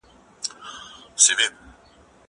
که وخت وي، لاس پرېولم!